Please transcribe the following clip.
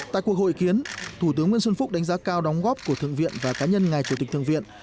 tại cuộc hội kiến thủ tướng nguyễn xuân phúc đánh giá cao đóng góp của thượng viện và cá nhân ngài chủ tịch thượng viện